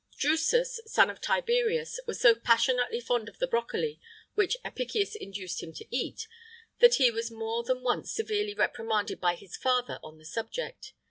Drusus, son of Tiberius, was so passionately fond of the brocoli, which Apicius induced him to eat, that he was more than once severely reprimanded by his father on the subject.